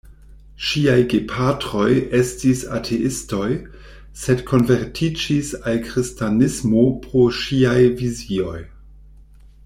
Ŝiaj gepatroj estis ateistoj, sed konvertiĝis al kristanismo pro ŝiaj vizioj.